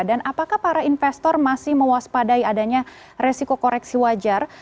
dan apakah para investor masih mewaspadai adanya resiko koreksi wajar